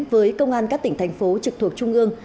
với công an các tỉnh thành phố trực thuộc trung ương